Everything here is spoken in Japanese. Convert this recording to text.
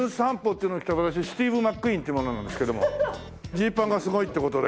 ジーパンがすごいっていう事で。